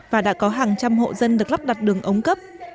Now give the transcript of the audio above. và đã có hàng trăm hộ dân được lắp đặt đường ống cấp